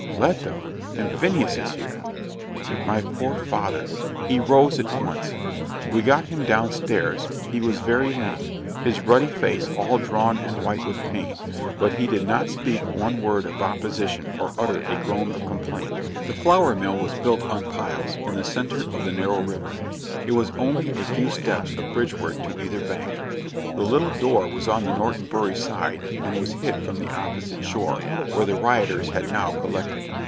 "Let them? and Phineas is here!" My poor father! He rose at once. We got him down stairs he was very lame his ruddy face all drawn and white with pain; but he did not speak one word of opposition, or utter a groan of complaint. The flour mill was built on piles, in the centre of the narrow river. It was only a few steps of bridge work to either bank. The little door was on the Norton Bury side, and was hid from the opposite shore, where the rioters had now collected.